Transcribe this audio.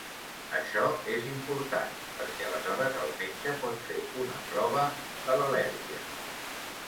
Això és important, perquè aleshores el metge pot fer una prova de l'al·lèrgia.